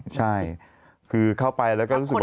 ใช่คือเข้าไปแล้วก็รู้สึกว่า